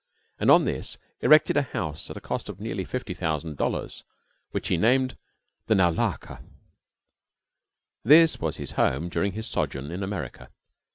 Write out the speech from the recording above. and on this erected a house at a cost of nearly $50,000, which he named "The Naulahka." This was his home during his sojourn in America.